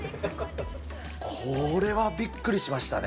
これはびっくりしましたね。